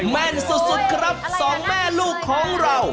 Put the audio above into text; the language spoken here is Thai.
แม่นสุดครับสองแม่ลูกของเรา